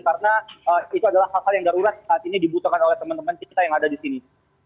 karena itu adalah hal hal yang darurat saat ini dibutuhkan oleh teman teman kita yang ada di sini